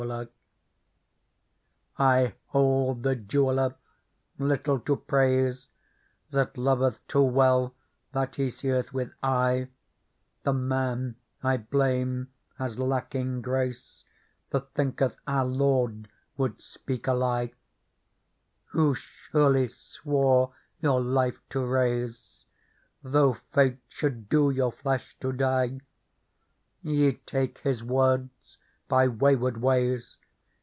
Digitized by Google 14 PEARL " I hold the jeweller little to praise That loveth too well that he seeth with eye ; The man I blame a^uneorleysep* That thinketh our Lord would speak a lie, Who surely swore your life to raise, Though fate should do your flesh to die : Ye take His words by wayward ways.